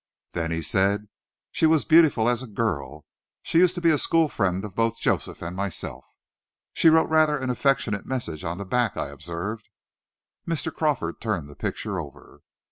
Then he said, "She was beautiful as a girl. She used to be a school friend of both Joseph and myself." "She wrote rather an affectionate message on the back," I observed. Mr. Crawford turned the picture over.